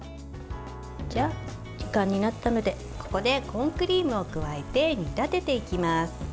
時間になったのでここでコーンクリームを加えて煮立てていきます。